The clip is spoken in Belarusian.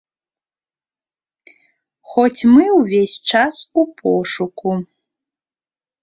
Хоць мы ўвесь час у пошуку.